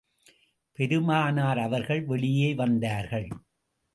பெருமானார் அவர்கள் வெளியே வந்தார்கள்.